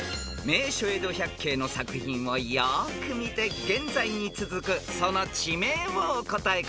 ［『名所江戸百景』の作品をよく見て現在に続くその地名をお答えください］